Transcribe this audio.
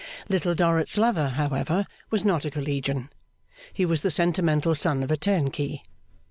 Little Dorrit's lover, however, was not a Collegian. He was the sentimental son of a turnkey.